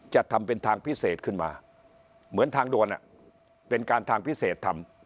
จะทำเป็นทางพิเศษขึ้นมาเหมือนทางด่วนเป็นการทางพิเศษทำ